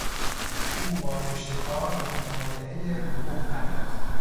او با پشتکار به مطالعهی حقوق پرداخت.